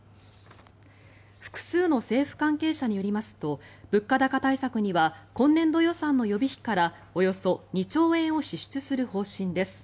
複数の政府関係者によりますと物価高対策には今年度予算の予備費からおよそ２兆円を支出する方針です。